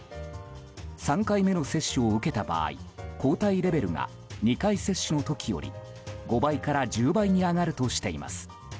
３回目の接種を受けた場合抗体レベルが２回接種の時より５倍から１０倍に上がるとしています。